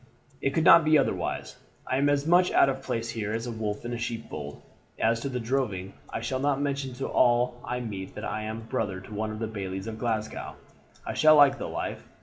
It could not be otherwise. I am as much out of place here as a wolf in a sheepfold. As to the droving, I shall not mention to all I meet that I am brother to one of the bailies of Glasgow. I shall like the life.